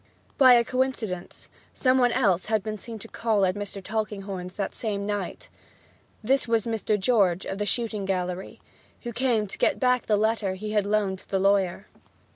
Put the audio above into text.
By a coincidence some one else had been seen to call at Mr. Tulkinghorn's that same night. This was Mr. George, of the shooting gallery, who came to get back the letter he had loaned to the lawyer.